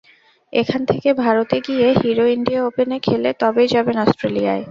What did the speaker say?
এখান থেকে ভারতে গিয়ে হিরো ইন্ডিয়া ওপেনে খেলে তবেই যাবেন অস্ট্রেলিয়ায়।